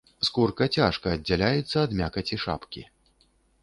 Скурка цяжка аддзяляецца ад мякаці шапкі.